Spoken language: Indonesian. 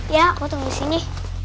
iya aku tunggu disini